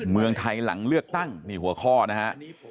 เมืองไทยหลังเลือกตั้งนี่หัวข้อนะฮะ